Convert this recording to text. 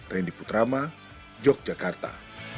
randy putrama yogyakarta